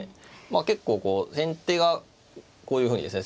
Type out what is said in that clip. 結構こう先手がこういうふうにですね